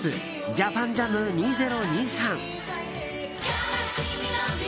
ＪＡＰＡＮＪＡＭ２０２３。